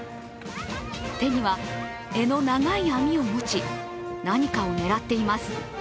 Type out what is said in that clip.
手には柄の長い網を持ち、何かを狙っています。